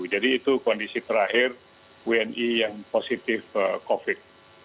jadi itu kondisi terakhir wni yang positif covid sembilan belas